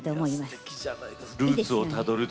すてきじゃないですか。